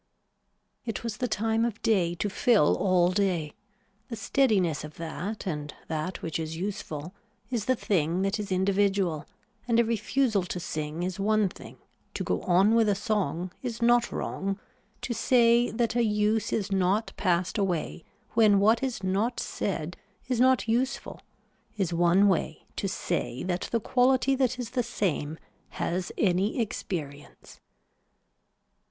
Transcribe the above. It was the time of day to fill all day. The steadiness of that and that which is useful is the thing that is individual and a refusal to sing is one thing, to go on with a song is not wrong, to say that a use is not passed away when what is not said is not useful is one way to say that the quality that is the same has any experience.